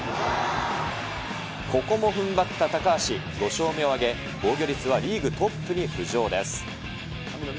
ここもふんばった高橋、５勝目を挙げ、防御率はリーグトップに浮上です。